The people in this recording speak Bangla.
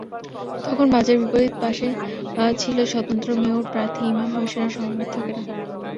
তখন বাজারের বিপরীত পাশে ছিলেন স্বতন্ত্র মেয়র প্রার্থী ইমাম হোসেনের সমর্থকেরা।